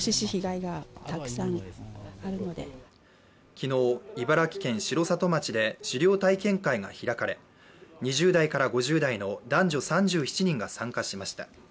昨日茨城県城里町で狩猟体験会が開かれ、２０代から５０代の男女３７人が参加しました。